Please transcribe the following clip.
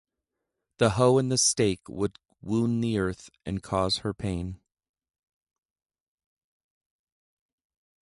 The hoe and the stake would wound the Earth and cause her pain.